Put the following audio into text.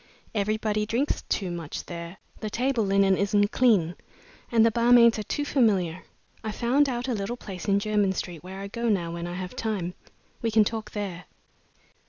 Everybody drinks too much there. The table linen isn't clean, and the barmaids are too familiar. I've found out a little place in Jermyn Street where I go now when I have time. We can talk there."